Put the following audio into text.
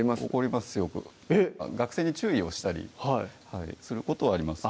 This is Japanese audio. よく学生に注意をしたりすることはあります